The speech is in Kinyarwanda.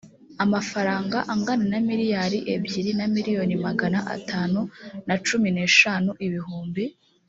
amafaranga angana na miliyari ebyiri na miliyoni magana atanu na cumi n eshanu ibihumbi